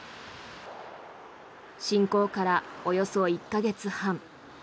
侵攻からおよそ１か月半。